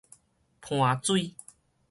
絆水